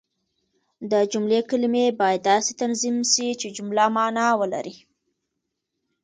د جملې کلیمې باید داسي تنظیم سي، چي جمله مانا ولري.